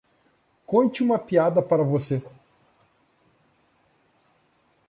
Conte uma piada para você